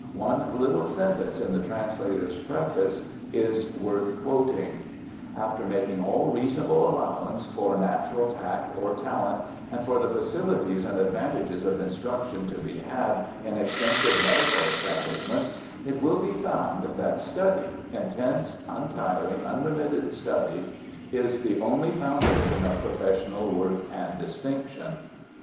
One little sentence in the translator's preface is worth quoting : 'After making all reasonable allowance for natural tact or talent, and for the facilities and advantages of instruction to be had in extensive medical establish ments, it will be found that study, intense, untiring, un remitted study, is the only foundation of professional worth and distinction.'